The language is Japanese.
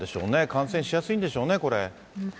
感染しやすいんでしょうね、これね。